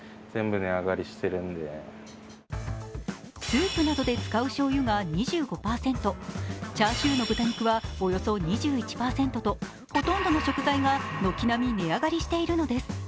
スープなどで使うしょうゆが２５％、チャーシューの豚肉はおよそ２１％と、ほとんどの食材が軒並み値上がりしているのです。